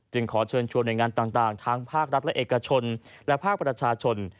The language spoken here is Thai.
ขอเชิญชวนหน่วยงานต่างทั้งภาครัฐและเอกชนและภาคประชาชน